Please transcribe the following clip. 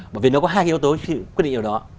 bởi vì nó có hai yếu tố quyết định điều đó